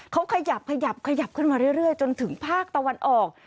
เขาขยับขยับขึ้นมาเรื่อยจนถึงภาคตะวันออก